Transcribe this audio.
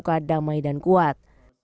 terbuka damai dan kuat